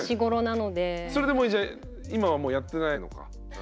それでもうじゃあ今はもうやってないのか。